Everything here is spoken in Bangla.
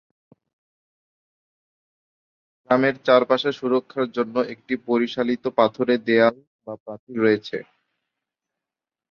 গ্রামের চারপাশে সুরক্ষার জন্য একটি পরিশীলিত পাথুরে দেয়াল বা প্রাচীর রয়েছে।